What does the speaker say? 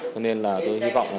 cho nên là tôi hy vọng là